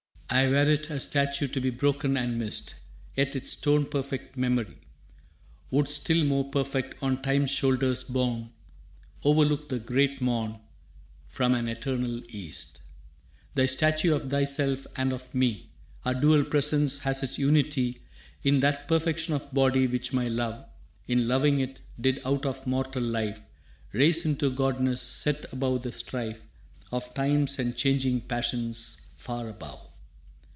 Ay, were't a statue to be broken and missed, Yet its stone perfect memory Would, still more perfect, on Time's shoulders borne, Overlook the great Morn From an eternal East. «Thy statue is of thyself and of me. Our dual presence has its unity In that perfection of body, which my love, In loving it, did out of mortal life Raise into godness, set above the strife Of times and changing passions far above.